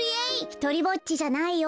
・ひとりぼっちじゃないよ。